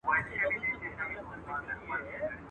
زما په غم کي تر قيامته به ژړيږي.